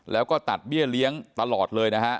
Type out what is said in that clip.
แล้วก็ตัดเบี้ยเลี้ยงตลอดเลยนะฮะ